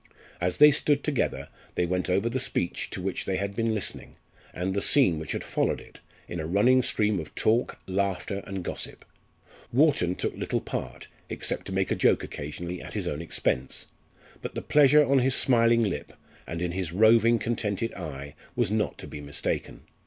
As they stood together they went over the speech to which they had been listening, and the scene which had followed it, in a running stream of talk, laughter, and gossip. Wharton took little part, except to make a joke occasionally at his own expense, but the pleasure on his smiling lip, and in his roving, contented eye was not to be mistaken.